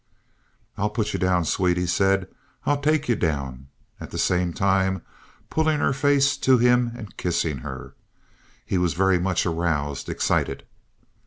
"I'll put you down, sweet," he said. "I'll take you down," at the same time pulling her face to him and kissing her. He was very much aroused, excited.